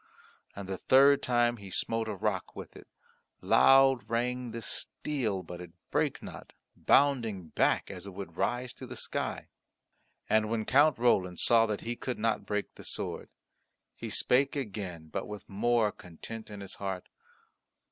And the third time he smote a rock with it. Loud rang the steel, but it brake not, bounding back as though it would rise to the sky. And when Count Roland saw that he could not break the sword, he spake again but with more content in his heart.